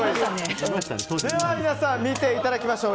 では皆さん見ていただきましょう。